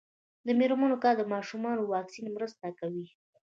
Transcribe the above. د میرمنو کار د ماشومانو واکسین مرسته کوي.